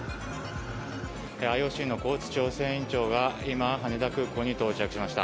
ＩＯＣのコーツ調整委員長が今、羽田空港に到着しました。